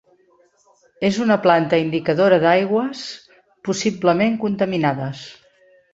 És una planta indicadora d'aigües possiblement contaminades.